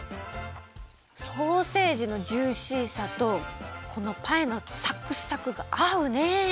ソーセージのジューシーさとこのパイのサクサクがあうね！